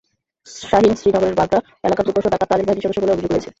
শাহীন শ্রীনগরের বাঘরা এলাকার দুর্ধর্ষ ডাকাত তাজেল বাহিনীর সদস্য বলে অভিযোগ রয়েছে।